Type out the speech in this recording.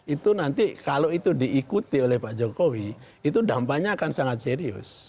itu nanti kalau itu diikuti oleh pak jokowi itu dampaknya akan sangat serius